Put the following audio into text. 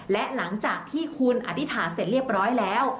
และหลังจากที่คุณอธิษฐานเสร็จเรียบร้อยแล้ว